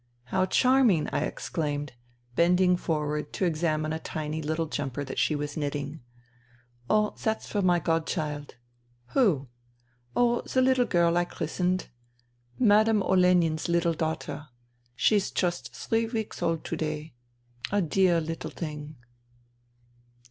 " How charming 1 " I exclaimed, bending forward to examine a tiny little jumper that she was knitting. " Oh, that's for my godchild." " Who ?"" Oh, the little girl I christened. Madame Olenin's 176 FUTILITY little daughter. She's just three weeks old to day. A dear little thing."